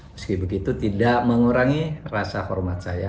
meski begitu tidak mengurangi rasa hormat saya